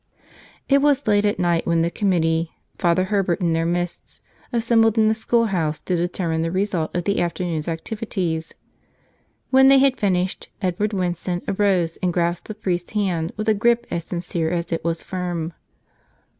It was late at night when the committee, Father Herbert in their midst, assembled in the schoolhouse to determine the result of the afternoon's activities. When they had finished, Edward Winson arose and grasped the priest's hand with a grip as sincere as it was firm.